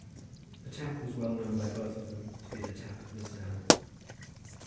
The tap was well known by both of them to be the tap of Miss Anne.